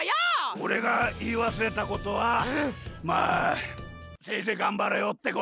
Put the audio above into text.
おれがいいわすれたことはまあせいぜいがんばれよってことだ！